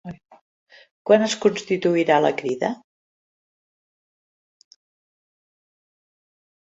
Quan es constituirà la Crida?